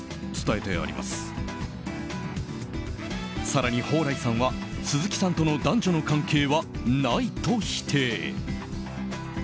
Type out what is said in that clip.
更に蓬莱さんは、鈴木さんとの男女の関係はないと否定。